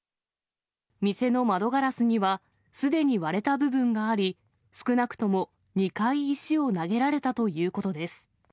店の窓ガラスには、すでに割れた部分があり、少なくとも２回石を投げられたということです。